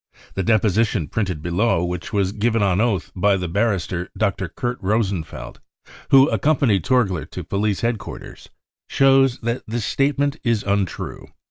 The deposi tion printed below, which was given on oath by the bar rister Dr. Kurt Rosenfeld, who accompanied Torgier to police headquarters, shows that this statement is untrue.